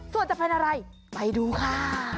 ส่วนจะเป็นอะไรไปดูค่ะ